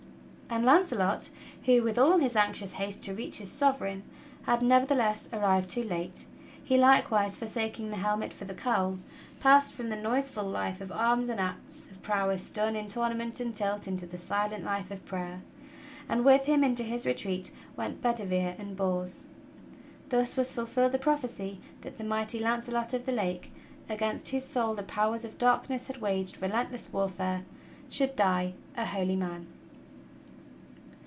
And Launcelot, who with all his anxious haste to reach his Sov ereign, had nevertheless arrived too late — he likewise, forsaking the helmet for the coWl, passed from the noiseful life of arms and acts of prowess done in tournament and tilt into the silent life of prayer; and with him into his retreat went Bedivere and Bors. Thus was fulfilled the prophecy that the mighty Launcelot of the Lake, against whose soul the powers of darkness had waged relentless warfare, should die a holy man.